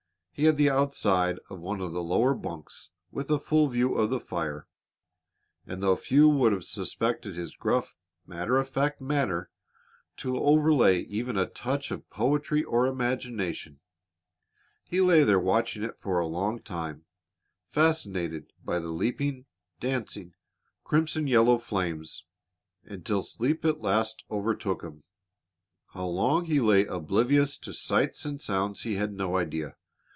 He had the outside of one of the lower bunks with a full view of the fire, and though few would have suspected his gruff, matter of fact manner to overlay even a touch of poetry or imagination, he lay there watching it for a long time, fascinated by the leaping, dancing, crimson yellow flames, until sleep at length overtook him. How long he lay oblivious to sights and sounds he had no idea.